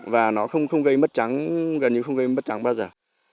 và nó không gây mất trắng gần như không gây mất trắng bao giờ